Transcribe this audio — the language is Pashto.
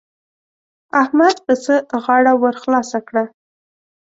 احمد پسه غاړه ور خلاصه کړه.